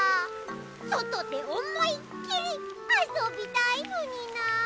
そとでおもいっきりあそびたいのになあ。